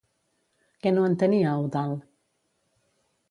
Què no entenia Eudald?